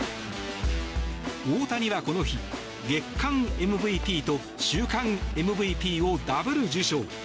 大谷はこの日月間ＭＶＰと週間ＭＶＰをダブル受賞。